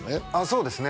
そうですね